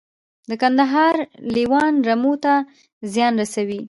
د کندهار لیوان رمو ته زیان رسوي؟